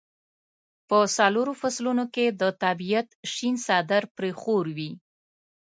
په څلورو فصلونو کې د طبیعت شین څادر پرې خور وي.